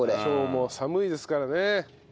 今日も寒いですからね。